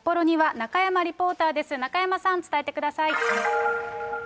中山さん、伝えてください。